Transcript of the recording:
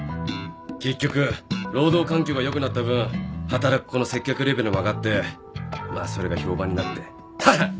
結局労働環境が良くなった分働く子の接客レベルも上がってまあそれが評判になって